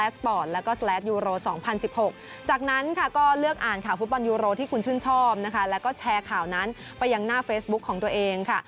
สปอร์ตแล้วก็สแหลดยูโร๒๐๑๖จากนั้นก็เลือกอ่านข่าวฟุตบอลยูโรที่คุณชื่นชอบนะคะแล้วก็แชร์ข่าวนั้นไปอย่างหน้าเฟซบุ๊กของตัวเองค่ะ